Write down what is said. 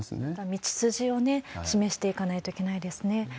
道筋を示していかないといけないですね。